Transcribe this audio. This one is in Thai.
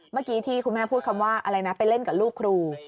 เมื่อกี้ที่คุณแม่พูดคำว่าอะไรนะไปเล่นกับลูกครู